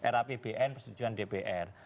rapbn persetujuan dpr